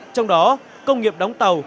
trong đó công nghiệp đóng tàu